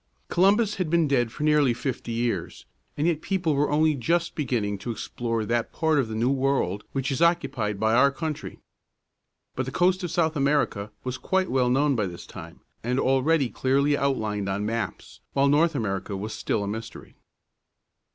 Columbus had been dead for nearly fifty years, and yet people were only just beginning to explore that part of the New World which is occupied by our country. But the coast of South America was quite well known by this time, and already clearly outlined on maps, while North America was still a mystery.